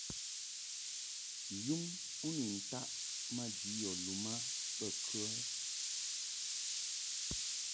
Yum u ni ntaʼ maji yɔ lum a bə kə ?